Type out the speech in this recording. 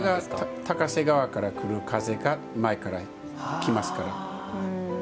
これが高瀬川から来る風が前から来ますから。